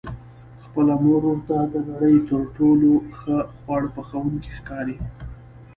خپله مور ورته د نړۍ تر ټولو ښه خواړه پخوونکې ښکاري.